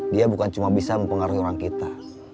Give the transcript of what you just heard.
dia bukan cuma bisa mempengaruhi orang kita